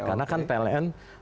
karena kan pln